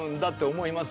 思います